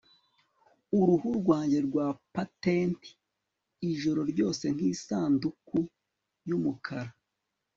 uruhu rwanjye rwa patenti ijoro ryose nkisanduku yumukara